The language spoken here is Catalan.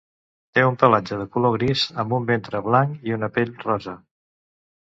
Té un pelatge de color gris, amb un ventre blanc i una pell rosa.